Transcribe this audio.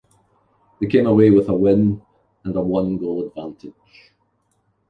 They came away with a win and a one-goal advantage.